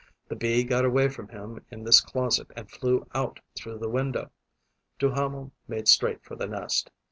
The Bee got away from him in this closet and flew out through the window. Duhamel made straight for the nest.